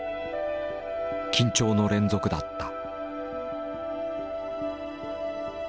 緊張の連続だった。